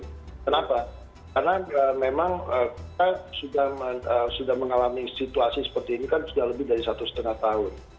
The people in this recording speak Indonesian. kenapa karena memang kita sudah mengalami situasi seperti ini kan sudah lebih dari satu setengah tahun